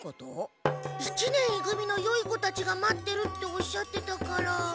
一年い組のよい子たちが待ってるっておっしゃってたから。